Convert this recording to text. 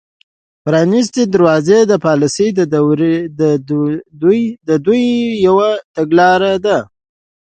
د پرانیستې دروازې پالیسي د دوی یوه تګلاره ده